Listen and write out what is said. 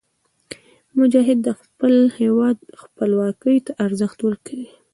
مجاهد د خپل هېواد خپلواکۍ ته ارزښت ورکوي.